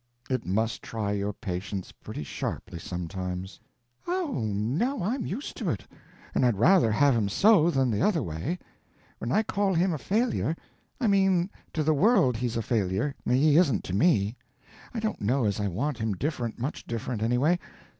"It must try your patience pretty sharply sometimes." p038.jpg (36K) "Oh, no, I'm used to it; and I'd rather have him so than the other way. When I call him a failure, I mean to the world he's a failure; he isn't to me. I don't know as I want him different much different, anyway.